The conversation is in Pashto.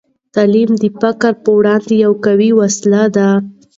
تعلیم د فقر په وړاندې یوه قوي وسله ده.